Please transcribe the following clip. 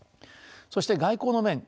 そして外交の面